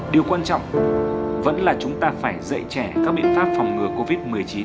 điều quan trọng vẫn là chúng ta phải dạy trẻ các biện pháp phòng ngừa covid một mươi chín